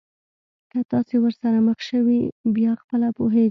که تاسي ورسره مخ شوی بیا خپله پوهېږئ.